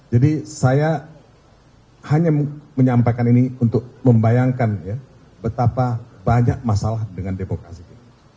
jadi saya hanya menyampaikan ini untuk membayangkan ya betapa banyak masalah dengan demokrasi ini